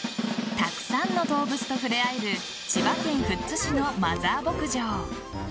たくさんの動物と触れ合える千葉県富津市のマザー牧場。